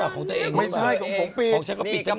ของตัวเองหรือเปล่า